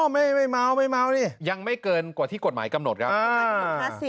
ไม่เมาไม่เมานี่ยังไม่เกินกว่าที่กฎหมายกำหนดครับ